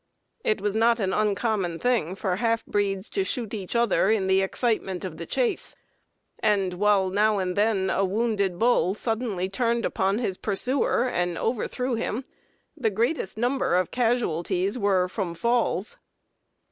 It was not an uncommon thing for half breeds to shoot each other in the excitement of the chase; and, while now and then a wounded bull suddenly turned upon his pursuer and overthrew him, the greatest number of casualties were from falls.